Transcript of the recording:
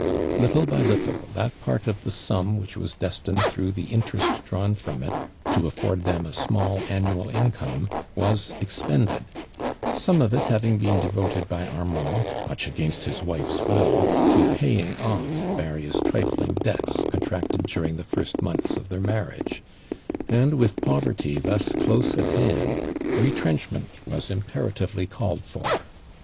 Little by little that part of the sum which was destined through the interest drawn from it, to afford them a small an 64 AllMAND DUKAND. «1 imal income wiis oxpomled, somt> of it hav ing been devoted by Arnmnd muchiagainst his* wife's will to paying ott" various trifling debts contiHctetl tluring the first months of their mairiagc, and with poverty thus lilose at Imnd, retrenchment was impera tively called for.